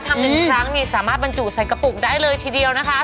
หนึ่งครั้งนี่สามารถบรรจุใส่กระปุกได้เลยทีเดียวนะคะ